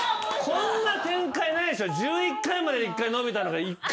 こんな展開ないでしょ！